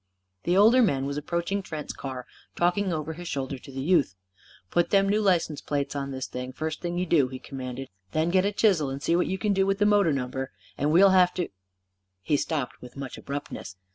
The older man was approaching Trent's car, talking over his shoulder to the youth. "Put them new license plates on this, first thing you do," he commanded. "Then get a chisel and see what you can do with the motor number. And we'll have to " He stopped with much abruptness.